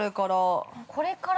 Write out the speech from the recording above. これから。